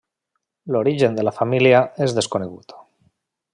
L'origen de la família és desconegut.